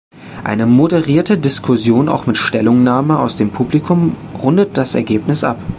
Eine moderierte Diskussion, auch mit Stellungnahmen aus dem Publikum, rundet das Ereignis ab.